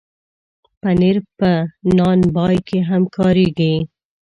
پنېر په نان بای کې هم کارېږي.